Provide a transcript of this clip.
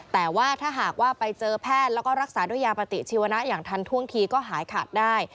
แต่ว่าถ้าหากว่าไปเจอแพทย์แล้วก็รักษาด้วยยาปฏิชีวนะอย่างทันท่วงทีก็หายขาดได้